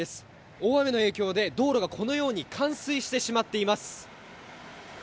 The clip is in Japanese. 大雨の影響で道路がこのように冠水してしまっています。